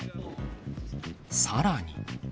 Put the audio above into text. さらに。